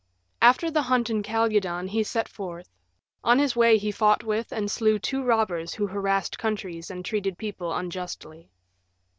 After the hunt in Calydon he set forth. On his way he fought with and slew two robbers who harassed countries and treated people unjustly.